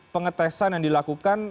pengetesan yang dilakukan